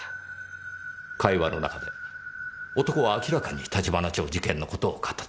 会話の中で男は明らかに橘町事件の事を語っていた。